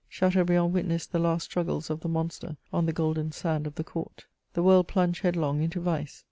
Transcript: Chateaubriand witnessed the last struggles of the monster on the golden sand of the Court. The world plunged headlong into vice.